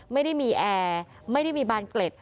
ไม่ได้มีแอร์ไม่ได้มีบานเกล็ด